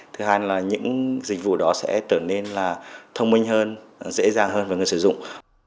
thứ hai là những dịch vụ đó sẽ trở nên là thông minh hơn dễ dàng hơn với người sử dụng